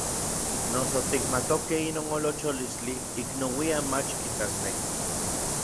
Noso tikmatokej inon olocholistli, ik nouian mach kitasnekij.